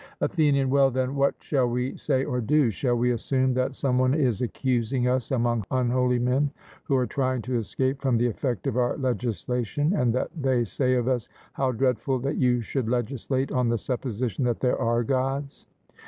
ATHENIAN: Well, then; what shall we say or do? Shall we assume that some one is accusing us among unholy men, who are trying to escape from the effect of our legislation; and that they say of us How dreadful that you should legislate on the supposition that there are Gods!